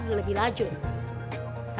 ada yang lebih muncul dan lebih maju